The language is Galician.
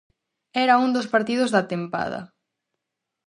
Era un dos partidos da tempada.